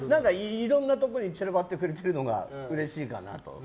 いろんなところに散らばってくれてるのがうれしいかなと。